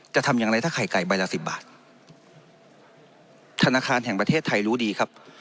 จะทำอย่างไรถ้าไข่ไก่ใบละสิบบาทธนาคารแห่งประเทศไทยรู้ดีครับ